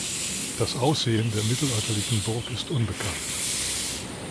Das Aussehen der mittelalterlichen Burg ist unbekannt.